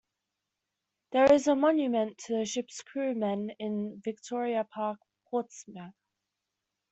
There is a monument to the ship's crew men in Victoria Park, Portsmouth.